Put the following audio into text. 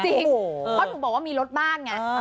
จริงเพราะถูกบอกว่ามีรถบ้านไง